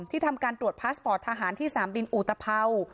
ที่ทำการตรวจพลาสปอร์ตทหารที่สามบิลอุตภัย